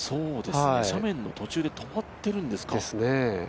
斜面の途中で止まってるんですか。